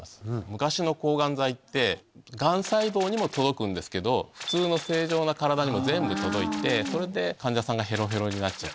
昔の抗ガン剤ってガン細胞にも届くんですけど普通の正常な体にも全部届いてそれで患者さんがヘロヘロになっちゃって。